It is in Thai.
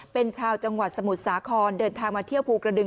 เป็นชาวจังหวัดสมุทรสาครเดินทางมาเที่ยวภูกระดึง